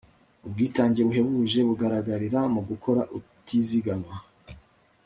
ubwitange buhebuje bugaragarira mu gukora utizigama